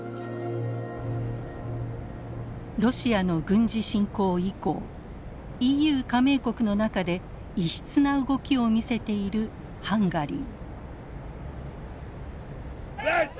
ロシアの軍事侵攻以降ＥＵ加盟国の中で異質な動きを見せているハンガリー。